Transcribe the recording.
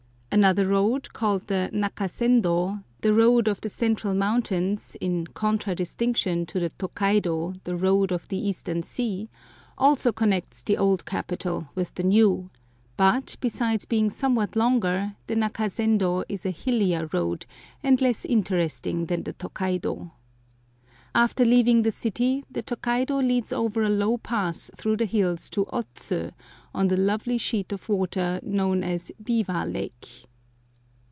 Another road, called the Nakasendo, the "Road of the Central Mountains," in contradistinction to the Tokaido, the "Road of the Eastern Sea," also connects the old capital with the new; but, besides being somewhat longer, the Nakasendo is a hillier road, and less interesting than the Tokaido. After leaving the city the Tokaido leads over a low pass through the hills to Otsu, on the lovely sheet of water known as Biwa Lake.